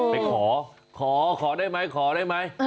ไปขอขอได้ไหมขอได้ไหม